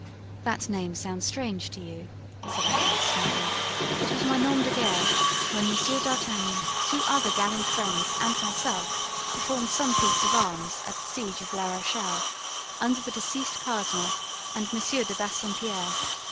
"That name sounds strange to you," said Athos, smiling; "it was my nom de guerre when Monsieur D'Artagnan, two other gallant friends and myself performed some feats of arms at the siege of La Rochelle, under the deceased cardinal and Monsieur de Bassompierre.